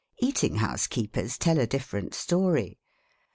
Eating house keepers tell a different story.